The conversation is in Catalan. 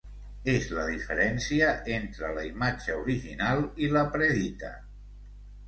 És la diferència entre la imatge original i la predita.